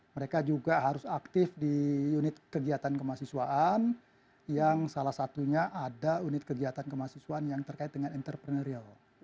mereka juga harus aktif di unit kegiatan kemahasiswaan yang salah satunya ada unit kegiatan kemahasiswaan yang terkait dengan entrepreneur